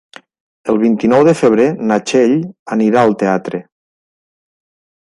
El vint-i-nou de febrer na Txell anirà al teatre.